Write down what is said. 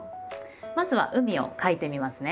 まずは「海」を書いてみますね。